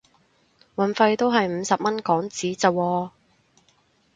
運費都係五十蚊港紙咋喎